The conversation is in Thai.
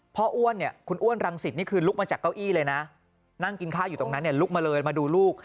อ้วนเนี่ยคุณอ้วนรังสิตนี่คือลุกมาจากเก้าอี้เลยนะนั่งกินข้าวอยู่ตรงนั้นลุกมาเลยมาดูลูก